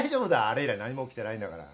あれ以来何も起きてないんだから。